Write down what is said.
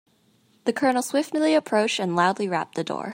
The colonel swiftly approached and loudly rapped the door.